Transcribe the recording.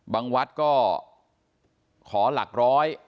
บางวัดขอหลักร้อย